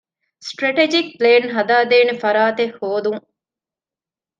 ސްޓްރެޓެޖިކް ޕްލޭން ހަދާދޭނެ ފަރާތެއް ހޯދުން